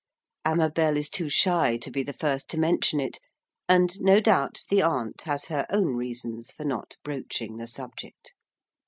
_' Amabel is too shy to be the first to mention it, and no doubt the aunt has her own reasons for not broaching the subject.